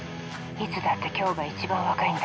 いつだってきょうが一番若いんだ。